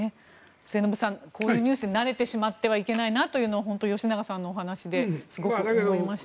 末延さん、こういうニュースに慣れてしまってはいけないなと本当に吉永さんのお話ですごく思いました。